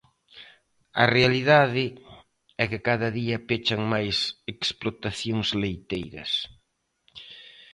A realidade é que cada día pechan máis explotacións leiteiras.